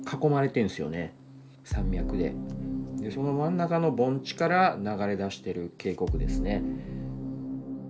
その真ん中の盆地から流れ出してる渓谷ですね。